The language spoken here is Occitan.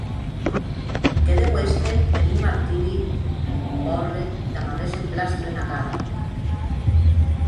Que deu èster en un martiri òrre damb aguest emplastre ena cara.